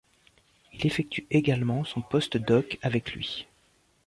Il effectue également son postdoc avec lui.